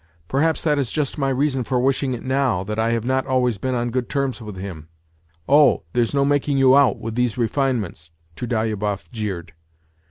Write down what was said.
" Perhaps that is just my reason for wishing it now, that I have not always been on good terms with him." " Oh, there's no making you out ... with these refinements," Trudolyubov jeered.